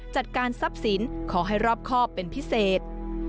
จัดการทรัพย์สินขอให้รอบครอบเป็นพิเศษ